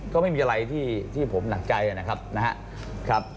ก็ไม่มีอะไรที่ที่ผมหนักใจนะครับนะครับ